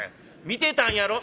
見てたんやろ？」。